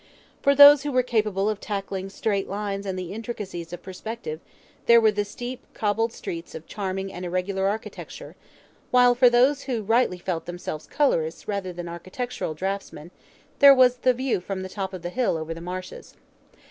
For those who were capable of tackling straight lines and the intricacies of perspective, there were the steep cobbled streets of charming and irregular architecture, while for those who rightly felt themselves colourists rather than architectural draughtsmen, there was the view from the top of the hill over the marshes.